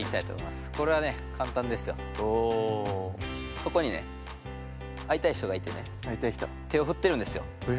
そこにね会いたい人がいてね手をふってるんですよ。